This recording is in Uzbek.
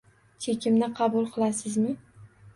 Chekimni qabul qilasizmi?